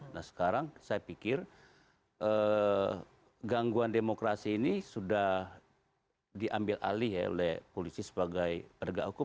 nah sekarang saya pikir gangguan demokrasi ini sudah diambil alih ya oleh polisi sebagai penegak hukum